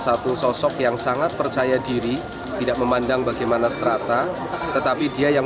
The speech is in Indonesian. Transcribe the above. satu sosok yang sangat percaya diri tidak memandang bagaimana strata tetapi dia yang